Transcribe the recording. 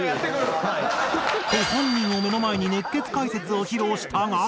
と本人を目の前に熱血解説を披露したが。